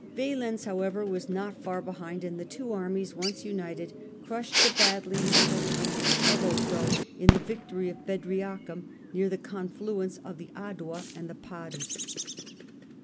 Valens, however, was not ,.,,.,,,.., and victory far behind, and the two armies once united ofBedna crushed the badly handled troops of Otho in the victory of Bedriacum, near the confluence of the Addua and the Padus.